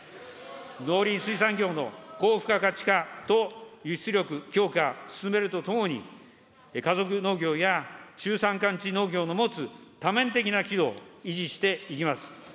農林水産業の高付加価値化と輸出力強化、進めるとともに、家族農業や中山間地農業の持つ多面的な機能を維持していきます。